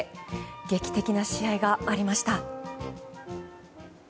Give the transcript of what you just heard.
劇的な試合がありました。